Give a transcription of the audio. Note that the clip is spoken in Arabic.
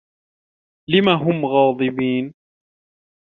لم هم غاضبين؟